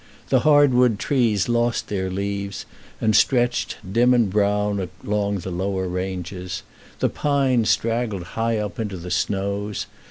The hard wood trees lost their leaves, and stretched dim and brown along the lower ranges; the pines straggled high up into the snows.